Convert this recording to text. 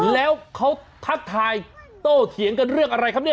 แล้วเขาทักทายโต้เถียงกันเรื่องอะไรอ่ะ